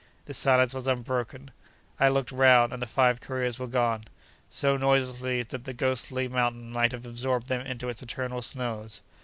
The silence was unbroken. I looked round, and the five couriers were gone: so noiselessly that the ghostly mountain might have absorbed them into its eternal snows.